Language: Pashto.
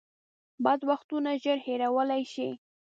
بد وختونه ژر هېرولی شئ .